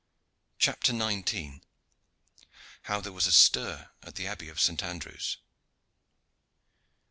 CHAPTER XIX. HOW THERE WAS STIR AT THE ABBEY OF ST. ANDREW'S.